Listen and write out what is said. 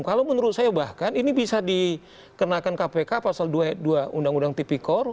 kalau menurut saya bahkan ini bisa dikenakan kpk pasal dua undang undang tipikor